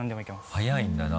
速いんだな。